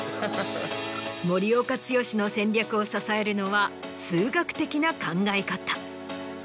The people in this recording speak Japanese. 森岡毅の戦略を支えるのは数学的な考え方。